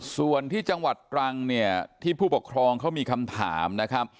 ส่วนที่จังหวัดตรังเนี่ยที่ผู้ปกครองเขามีคำถามนะครับ